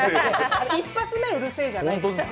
１発目、「うるせえ」じゃないんです。